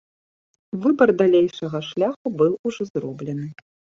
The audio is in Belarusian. Выбар далейшага шляху быў ужо зроблены.